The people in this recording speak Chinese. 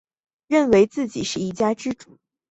认为自己是一家之主